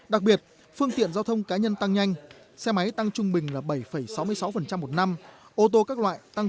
đặc biệt phương tiện giao thông cá nhân tăng nhanh xe máy tăng trung bình là bảy sáu mươi sáu một năm ô tô các loại tăng